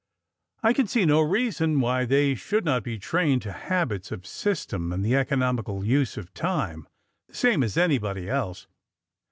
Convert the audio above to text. ''—I can see no reason why they should not be trained to habits of system and the economical use of time, the same as anybody else.